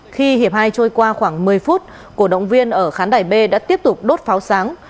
khi hiệp hai trôi qua khoảng một mươi phút cổ động viên ở khán đài b đã tiếp tục đốt pháo sáng